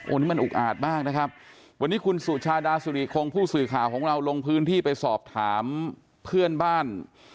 วันนี้มันอุกอาจมากนะครับวันนี้คุณสุชาดาสุริคงผู้สื่อข่าวของเราลงพื้นที่ไปสอบถามเพื่อนบ้าน